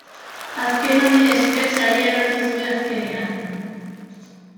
Azken honi esker saria lortu zuen azkenean.